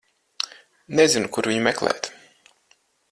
Nezinu, kur viņu meklēt.